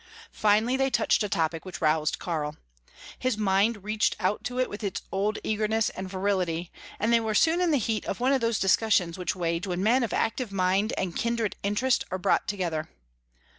Finally they touched a topic which roused Karl. His mind reached out to it with his old eagerness and virility, and they were soon in the heat of one of those discussions which wage when men of active mind and kindred interest are brought together.